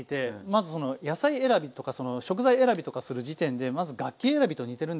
まずその野菜選びとか食材選びとかする時点でまず楽器選びと似てるんですよね。